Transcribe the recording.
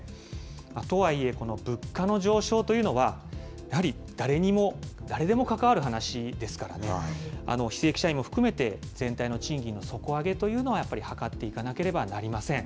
とはいえ、この物価の上昇というのは、やはり、誰でも関わる話ですからね、非正規社員も含めて、全体の賃金の底上げというのはやっぱり図っていかなければなりません。